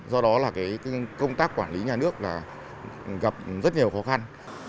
do đó công tác quản lý nhà nước gặp rất nhiều khó khăn